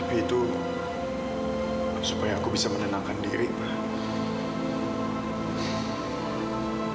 tapi itu supaya aku bisa menenangkan diri ma